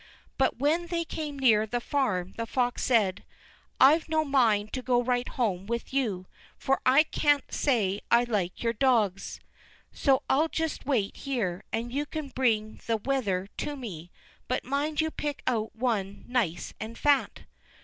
But when they came near the farm, the fox said: "I've no mind to go right home with you, for I can't say I like your dogs; so I'll just wait here, and you can bring the wether to me; but mind you pick out one nice and fat."